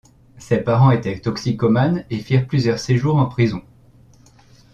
Ses parents étaient toxicomanes et firent plusieurs séjours en prison.